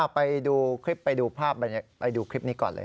ไปดูคลิปไปดูภาพไปดูคลิปนี้ก่อนเลย